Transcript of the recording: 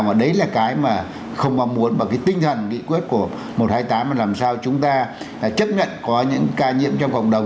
và đấy là cái mà không có muốn và cái tinh thần cái quyết của một trăm hai mươi tám là làm sao chúng ta chấp nhận có những ca nhiễm trong cộng đồng